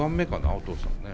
お父さんね。